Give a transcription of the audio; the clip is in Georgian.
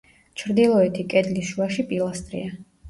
ჩრდილოეთი კედლის შუაში პილასტრია.